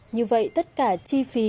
như vậy tất cả chi phí